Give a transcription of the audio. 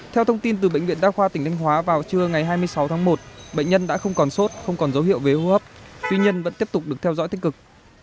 theo thông tin từ bệnh viện đa khoa tỉnh thanh hóa vào trưa ngày hai mươi sáu tháng một bệnh nhân đã không còn sốt không còn dấu hiệu về hô hấp tuy nhiên vẫn tiếp tục được theo dõi tích cực